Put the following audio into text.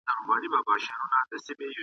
د اورنګ شراب په ورکي !.